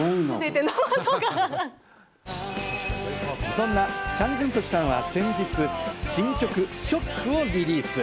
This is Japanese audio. そんなチャン・グンソクさんは先日、新曲『Ｓｈｏｃｋ』をリリース。